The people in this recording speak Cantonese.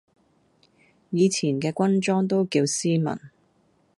以前嘅軍裝都叫斯文